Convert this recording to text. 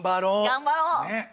頑張ろう。